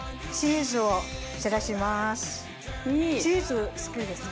チーズ好きですか？